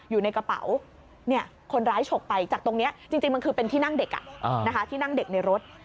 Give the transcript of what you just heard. อยู่ในกระเป๋าคนร้ายฉกไปจากตรงนี้จริงมันคือเป็นที่นั่งเด็กที่นั่งเด็กในรถ